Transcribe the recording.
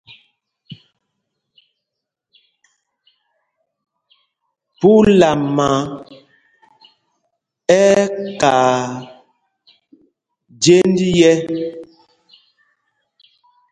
Phúlama ɛ́ ɛ́ kaa jênd yɛ́.